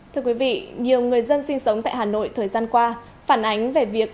thưa quý vị nhiều người dân sinh sống tại hà nội thời gian qua phản ánh về việc